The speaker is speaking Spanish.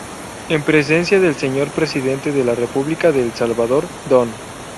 En presencia del Señor presidente de la Republica de El Salvador, Don.